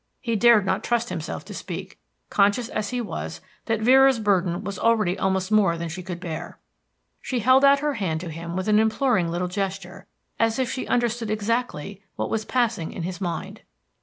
He dared not trust himself to speak, conscious as he was that Vera's burden was already almost more than she could bear. She held out her hand to him with an imploring little gesture, as if she understood exactly what was passing in his mind.